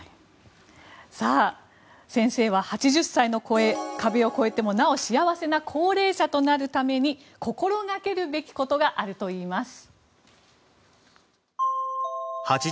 さあ、先生は８０歳の壁を超えてもなお幸せな幸齢者となるために心がけるべきことがあるといいます。